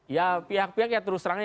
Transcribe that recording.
ya pihak pihak ya terus terangnya